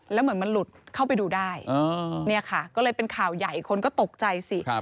แล้วเหมือนมันหลุดเข้าไปดูได้เนี่ยค่ะก็เลยเป็นข่าวใหญ่คนก็ตกใจสิ